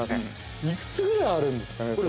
いくつぐらいあるんですかね